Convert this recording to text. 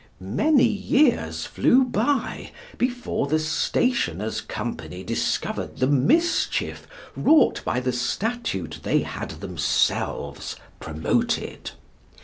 Many years flew by before the Stationers' Company discovered the mischief wrought by the statute they had themselves promoted.